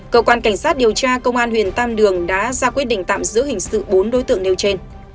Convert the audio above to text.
cơ quan cảnh sát điều tra công an huyện tam đường đã ra quyết định tạm giữ hình sự bốn đối tượng nêu trên